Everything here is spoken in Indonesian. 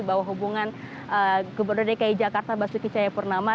bahwa hubungan gubernur dki jakarta basuki cahaya purnama